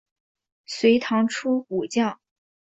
隋唐初武将。